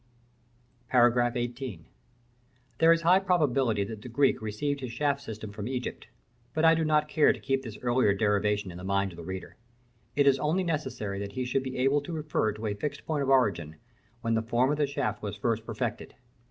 § XVIII. There is high probability that the Greek received his shaft system from Egypt; but I do not care to keep this earlier derivation in the mind of the reader. It is only necessary that he should be able to refer to a fixed point of origin, when the form of the shaft was first perfected.